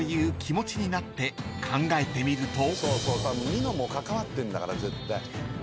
ニノも関わってんだから絶対。